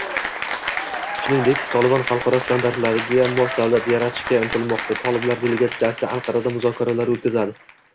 Shuningdek, Tolibon xalqaro standartlarga mos davlat yaratishga intilmoqda, toliblar delegatsiyasi Anqarada muzokaralar o‘tkazadi